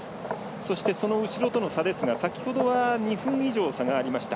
そして、その後ろとの差は先ほどは２分以上差がありました。